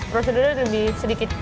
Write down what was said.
procedurnya lebih sedikit